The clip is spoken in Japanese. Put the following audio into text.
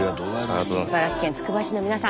茨城県つくば市の皆さん